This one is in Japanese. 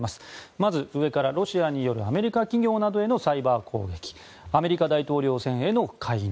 まず、上からロシアによるアメリカ企業などへのサイバー攻撃アメリカ大統領選への介入